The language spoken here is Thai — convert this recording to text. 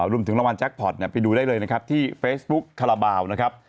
รวมถึงรางวัลแจ็คพอร์ตไปดูได้เลยนะครับที่เฟซบุ๊กคาราบาลนะครับ